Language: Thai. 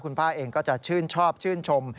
คุณป้าเองก็จะชื่นชอบชื่นชม